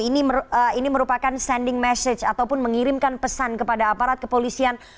ini merupakan sending message ataupun mengirimkan pesan kepada aparat kepolisian